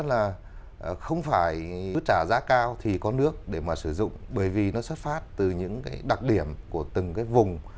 là không phải trả giá cao thì có nước để mà sử dụng bởi vì nó xuất phát từ những cái đặc điểm của từng cái vùng